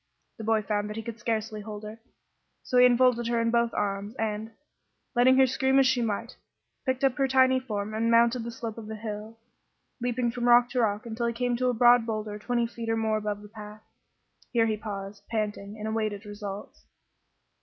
The boy found that he could scarcely hold her, so he enfolded her in both his arms and, letting her scream as she might, picked up her tiny form and mounted the slope of the hill, leaping from rock to rock until he came to a broad boulder twenty feet or more above the path. Here he paused, panting, and awaited results.